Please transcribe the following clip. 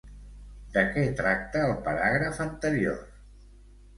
De què tracta el paràgraf anterior?